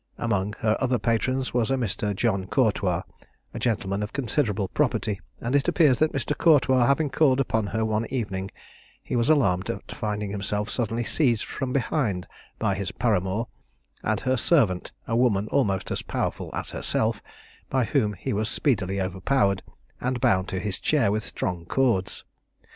Among her other patrons was Mr. John Cortois, a gentleman of considerable property; and it appears that Mr. Cortois having called upon her one evening, he was alarmed at finding himself suddenly seized from behind by his paramour, and her servant, a woman almost as powerful as herself, by whom he was speedily overpowered, and bound to his chair with strong cords.